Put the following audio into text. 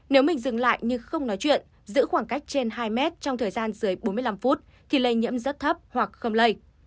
nếu mình dừng lại như không nói chuyện giữ khoảng cách trên hai mét trong thời gian dưới bốn mươi năm phút thì lây nhiễm rất thấp hoặc không lây